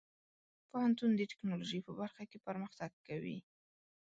پوهنتون د ټیکنالوژۍ په برخه کې پرمختګ کوي.